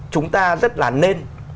chúng ta rất là nên